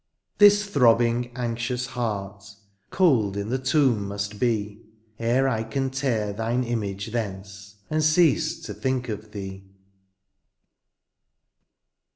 This throbbing^ anxious hearty Cold in the tomb must be^ E^er I can tear thine image thence^ And cease to think of thee.